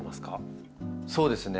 そうですね